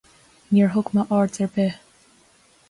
Níor thug mé aird ar bith.